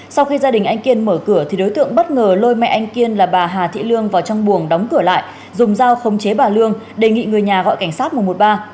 sau khi gia đình anh kiên mở cửa thì đối tượng bất ngờ lôi mẹ anh kiên là bà hà thị lương vào trong buồng đóng cửa lại dùng dao khống chế bà lương đề nghị người nhà gọi cảnh sát một trăm một mươi ba